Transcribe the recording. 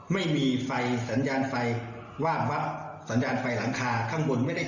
ไม่มีนะครับไม่มีรถรักษณะนักกล่าว